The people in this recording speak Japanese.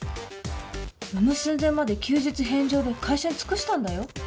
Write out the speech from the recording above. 産む寸前まで休日返上で会社に尽くしたんだよ？